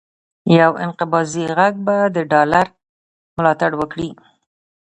یو انقباضي غږ به د ډالر ملاتړ وکړي،